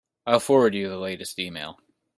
I'll forward you the latest email.